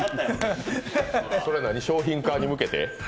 それ商品化に向けて？